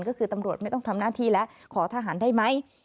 ก็คือตำรวจไม่ต้องทำหน้าที่แล้วขอทหารได้ไหม